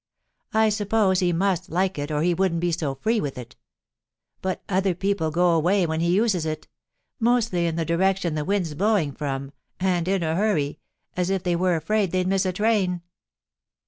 I suppose he must like it or he wouldn't be so free with it. But other people go away when he uses it mostly in the direction the wind's blowing from and in a hurry, as if they were afraid they'd miss a train.